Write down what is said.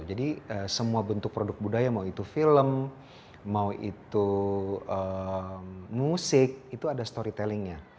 jadi semua bentuk produk budaya mau itu film mau itu musik itu ada storytellingnya